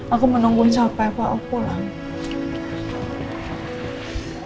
aku menungguin siapa apa aku pulang